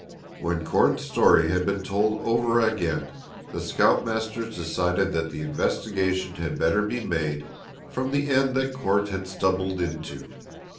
When Court's story had been told over again the scoutmasters decided that the investigation had better be made from the end that Court had stumbled into.